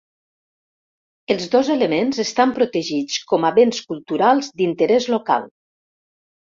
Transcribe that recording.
Els dos elements estan protegits com a béns culturals d'interès local.